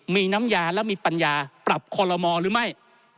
มีน้ำยาและมีปัญญาปรับคอลโลมอหรือไม่